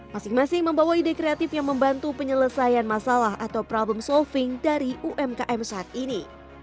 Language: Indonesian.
masing masing membawa ide kreatif yang membantu penyelesaian masalah atau problem solving dari umkm saat ini